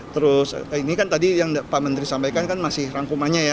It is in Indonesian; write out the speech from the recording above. terus ini kan tadi yang pak menteri sampaikan kan masih rangkumannya ya